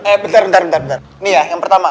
eh bentar bentar bentar nih ya yang pertama